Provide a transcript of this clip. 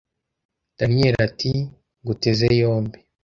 daniel ati: nguteze yombi!!